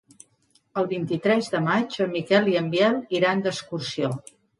El vint-i-tres de maig en Miquel i en Biel iran d'excursió.